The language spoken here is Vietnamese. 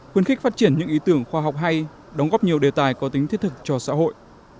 khuyến khích phát triển những ý tưởng khoa học hay đóng góp nhiều đề tài có tính thiết thực cho xã hội